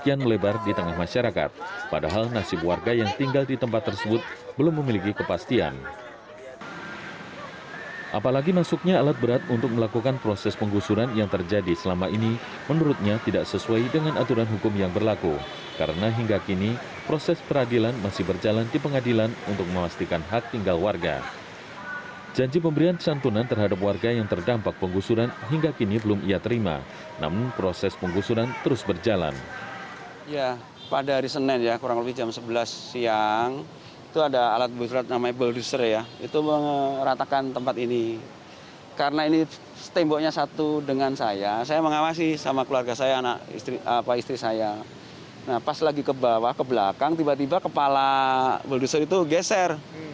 anak istri apa istri saya nah pas lagi kebawah ke belakang tiba tiba kepala berusaha itu geser